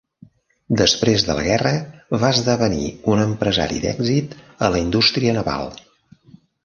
Després de la guerra va esdevenir un empresari d'èxit a l'indústria naval.